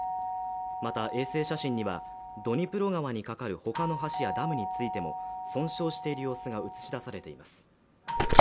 また衛星写真にはドニプロ川にかかるほかの橋やダムについても損傷している様子が映し出されています